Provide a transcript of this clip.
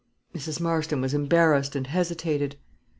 Mrs. Marston was embarrassed, and hesitated.